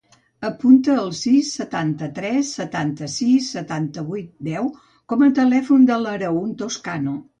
Apunta el sis, setanta-tres, setanta-sis, setanta-vuit, deu com a telèfon de l'Haroun Toscano.